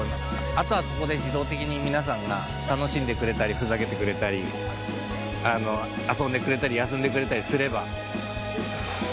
あとはそこで自動的に皆さんが楽しんでくれたりふざけてくれたり遊んでくれたり遊んでくれたりすれば。